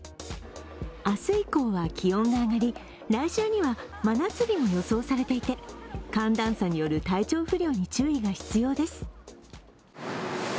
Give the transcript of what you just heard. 明日以降は気温が上がり、来週には真夏日も予想されていて、寒暖差の体調不良に注意が必要です。